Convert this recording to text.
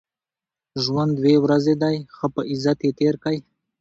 ژوند دوې ورځي دئ؛ ښه په عزت ئې تېر کئ!